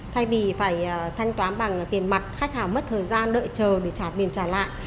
thay vì phải thanh toán bằng tiền mặt khách hàng mất thời gian đợi chờ để trả tiền trả lại